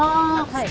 はい。